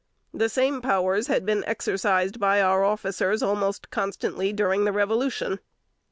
The same powers had been exercised by our officers almost constantly during the Revolution.